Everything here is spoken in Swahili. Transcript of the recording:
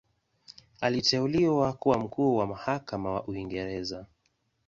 Aliteuliwa kuwa Mkuu wa Mahakama wa Uingereza.